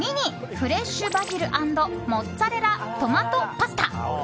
フレッシュバジル＆モッツァレラトマトパスタ。